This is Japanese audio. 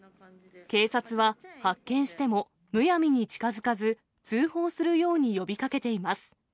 警察は、発見してもむやみに近づかず、通報するように呼びかけています。